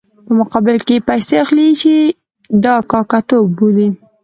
په مقابل کې یې پیسې اخلي چې دا کاکه توب بولي.